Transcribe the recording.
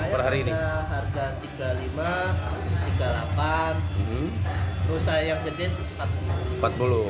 harga ayam ini rp tiga puluh lima rp tiga puluh delapan rusa ayam gede rp empat puluh